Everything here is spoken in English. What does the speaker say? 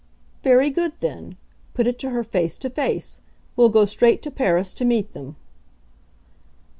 "Very good then put it to her face to face. We'll go straight to Paris to meet them."